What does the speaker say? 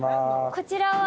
こちらは？